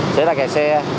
xảy ra kẻ xe